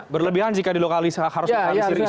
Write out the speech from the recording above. berlebihan jika di lokalisasi